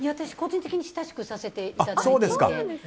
私、個人的に親しくさせていただいていて。